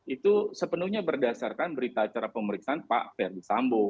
itu sepenuhnya berdasarkan berita acara pemeriksaan pak fendi sambo